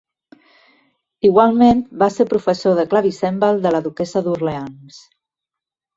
Igualment, va ser professor de clavicèmbal de la duquessa d'Orleans.